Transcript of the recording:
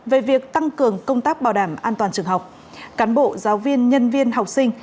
về việc tăng cường công tác bảo đảm an toàn trường học cán bộ giáo viên nhân viên học sinh